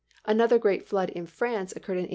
Another great flood in France occurred in 1856.